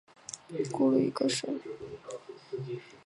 粘蓼为蓼科蓼属下的一个种。